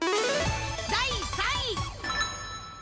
第３位。